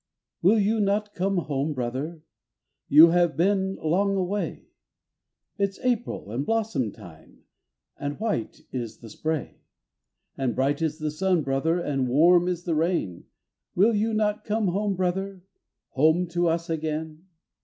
"Will you not come home, brother? You have been long away. It's April, and blossom time, and white is the spray: And bright is the sun, brother, and warm is the rain, Will you not come home, brother, home to us again?